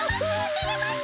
てれます！